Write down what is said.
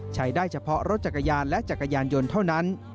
ใช้ได้เฉพาะรถจักรยานและจักรยานยนต์เท่านั้น